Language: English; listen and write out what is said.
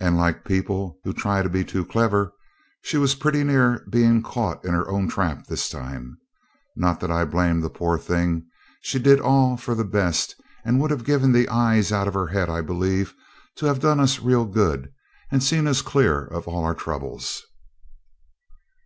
And, like people who try to be too clever, she was pretty near being caught in her own trap this time. Not that I blame the poor thing, she did all for the best, and would have given the eyes out of her head, I believe, to have done us real good, and seen us clear of all our troubles.